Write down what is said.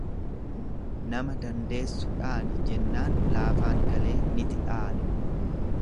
"""Nama dandeessu dhaani"" jennaan, laafaan galee niti dhaane."